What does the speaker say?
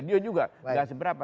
dia juga nggak seberapa